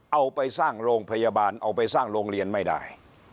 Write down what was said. เอาไปสร้างโรงพยาบาลเอาไปสร้างโรงเรียนไม่ได้